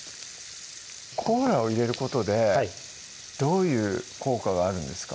コーラを入れることでどういう効果があるんですか？